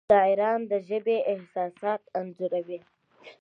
شاعران د ژبې احساسات انځوروي.